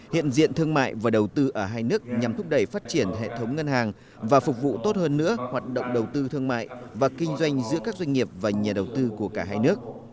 hiện diện thương mại và đầu tư ở hai nước nhằm thúc đẩy phát triển hệ thống ngân hàng và phục vụ tốt hơn nữa hoạt động đầu tư thương mại và kinh doanh giữa các doanh nghiệp và nhà đầu tư của cả hai nước